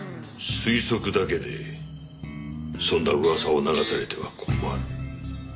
推測だけでそんな噂を流されては困る。